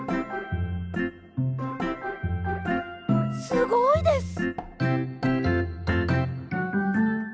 すごいです！